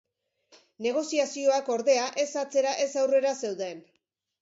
Negoziazioak, ordea, ez atzera ez aurrera zeuden.